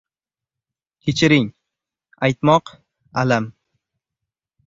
«Kechiring» aytmoq — alam